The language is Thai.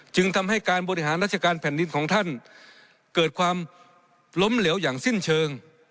จึงทำให้การบริหารราชการแผ่นดินของท่านเกิดความล้มเหลวอย่างสิ้นเชิง